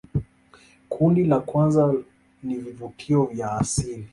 kundi la kwanza ni vivutio vya asili